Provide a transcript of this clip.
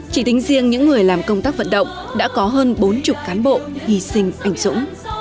chỉ tính riêng những người làm công tác vận động đã có hơn bốn mươi cán bộ hy sinh ảnh dũng